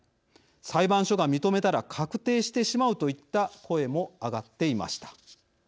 裁判所が認めたら確定してしまうといった声も上がっていました。